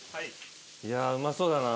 いやうまそうだな。